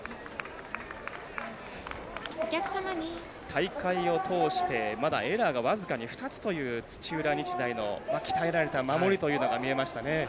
大会を通して、まだエラーが僅かに２つという土浦日大の鍛えられた守りというのが見えましたね。